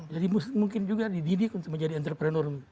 jadi mungkin juga dididik untuk menjadi entrepreneur